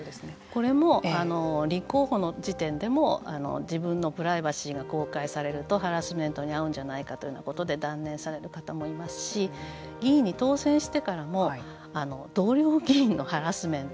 これも、立候補の時点でも自分のプライバシーが公開されるとハラスメントに遭うんじゃないかということで断念される方もいますし議員に当選してからも同僚議員のハラスメント